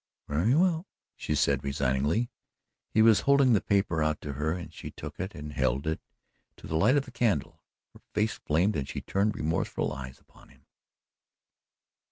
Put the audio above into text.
"Very well," she said resignedly. He was holding the paper out to her and she took it and held it to the light of the candle. Her face flamed and she turned remorseful eyes upon him.